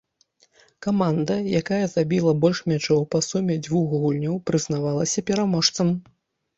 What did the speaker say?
Каманда, якая забіла больш мячоў па суме дзвюх гульняў, прызнавалася пераможцам.